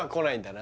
な